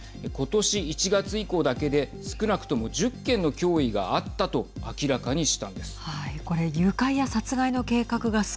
今年１月以降だけで少なくとも１０件の脅威があったと明らかにしたんです。